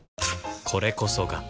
これこそが